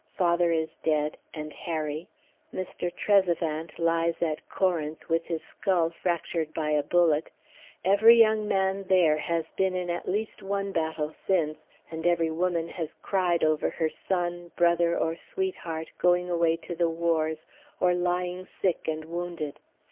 Father is dead, and Harry. Mr. Trezevant lies at Corinth with his skull fractured by a bullet; every young man there has been in at least one battle since, and every woman has cried over her son, brother, or sweetheart, going away to the wars, or lying sick and wounded.